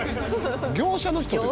「業者の人です」